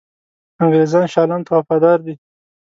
انګرېزان شاه عالم ته وفادار دي.